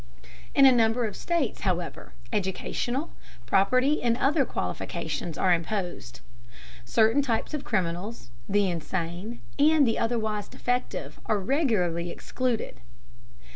In a number of states, however, educational, property and other qualifications are imposed. Certain types of criminals, the insane, and the otherwise defective are regularly excluded.